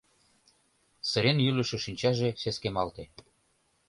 Сырен йӱлышӧ шинчаже сескемалте.